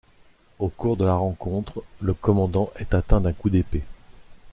Au cours de la rencontre, le commandant est atteint d'un coup d'épée.